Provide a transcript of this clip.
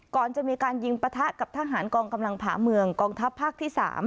ก่อนจะมีการยิงปะทะกับทหารกองกำลังผาเมืองกองทัพภาคที่๓